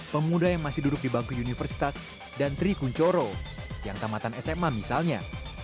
pemuda yang masih duduk di bangku universitas dan tri kunchoro yang tamatan sma misalnya